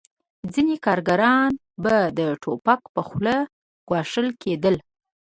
ځینې کارګران به د ټوپک په خوله ګواښل کېدل